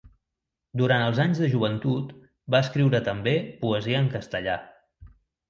Durant els anys de joventut va escriure també poesia en castellà.